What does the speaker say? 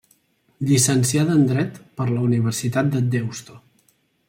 Llicenciada en Dret per la Universitat de Deusto.